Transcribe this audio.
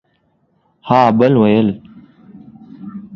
ها بل ويل